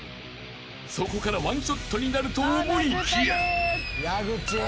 ［そこから１ショットになると思いきや］